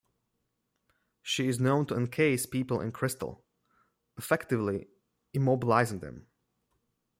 She is known to encase people in crystal, effectively immobilizing them.